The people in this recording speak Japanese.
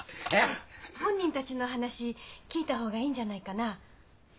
本人たちの話聞いた方がいいんじゃないかな。